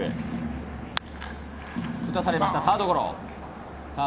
打たされました、サードゴロ。